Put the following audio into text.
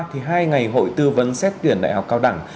thì hai ngày hội tư vấn xét tuyển đại học cao đẳng